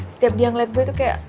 setiap dia ngeliat gue tuh kayak